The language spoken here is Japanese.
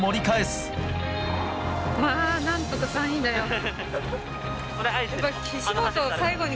まあ、なんとか３位以内は。